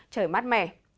trời mát mẻ